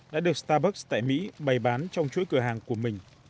đã được starbucks tại mỹ bày bán trong chuỗi cửa hàng của mình